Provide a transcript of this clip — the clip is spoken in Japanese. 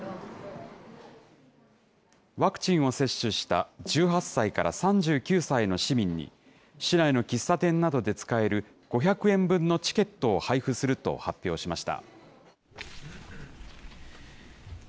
ワクチンを接種した１８歳から３９歳の市民に、市内の喫茶店などで使える５００円分のチケットを配付すると発表しました。